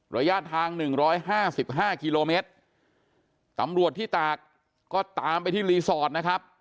ระยะทาง๑๕๕กิโลเมตรตำรวจที่ตากก็ตามไปที่รีสอร์ตนะครับ